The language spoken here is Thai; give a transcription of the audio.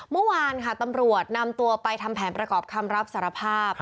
เมื่อวานค่ะตำรวจนำตัวไปทำแผนประกอบคำรับสารภาพ